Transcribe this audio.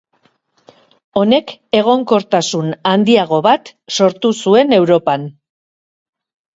Honek egonkortasun handiago bat sortu zuen Europan.